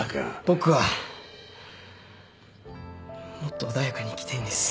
僕はもっと穏やかに生きたいんです。